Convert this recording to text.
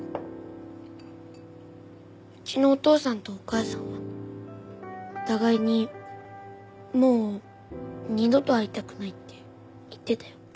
うちのお父さんとお母さんはお互いにもう二度と会いたくないって言ってたよ。